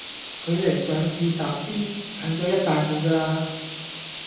距離上市集資近咗一大步㗎啦